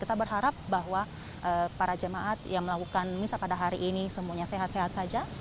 kita berharap bahwa para jemaat yang melakukan misa pada hari ini semuanya sehat sehat saja